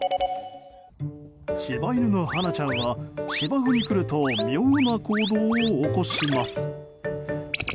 柴犬のはなちゃんは芝生に来ると妙な行動を起こします。